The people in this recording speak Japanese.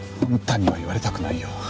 あんたには言われたくないよ。